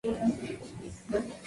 Fresca, vital y divertida.